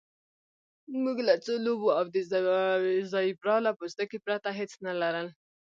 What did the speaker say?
موږ له څو لوبو او د زیبرا له پوستکي پرته هیڅ نه لرل